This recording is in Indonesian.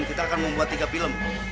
kita akan membuat tiga film